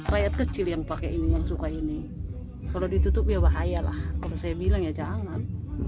rakyat kecil yang pakai ini yang suka ini kalau ditutup ya bahaya lah kalau saya bilang ya jangan